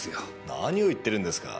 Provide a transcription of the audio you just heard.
何を言ってるんですか？